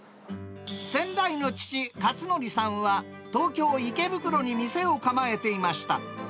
先代の父、勝徳さんは東京・池袋に店を構えていました。